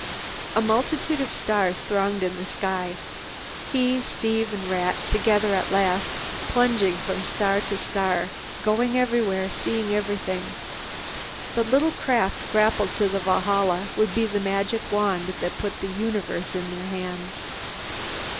A multitude of stars thronged the sky. He and Steve and Rat, together at last plunging from star to star, going everywhere, seeing everything. The little craft grappled to the Valhalla would be the magic wand that put the universe in their hands.